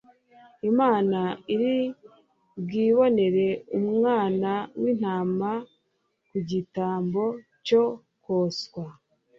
Imana iri bwibonere umwana w'intama w'igitambo cyo koswa,>>